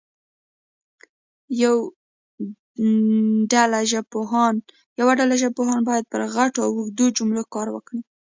یوه ډله ژبپوهان باید پر غټو او اوږدو جملو کار وکړي.